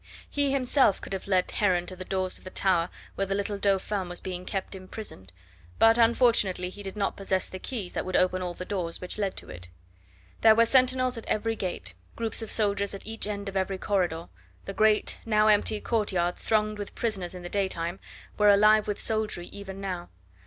He himself could have led Heron to the doors of the tower where the little Dauphin was being kept imprisoned, but unfortunately he did not possess the keys that would open all the doors which led to it. There were sentinels at every gate, groups of soldiers at each end of every corridor, the great now empty courtyards, thronged with prisoners in the daytime, were alive with soldiery even now.